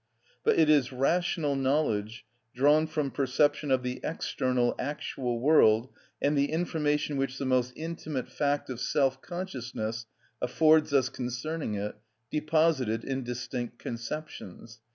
But it is rational knowledge, drawn from perception of the external actual world and the information which the most intimate fact of self consciousness affords us concerning it, deposited in distinct conceptions.